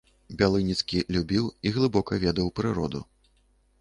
Бялыніцкі любіў і глыбока ведаў прыроду.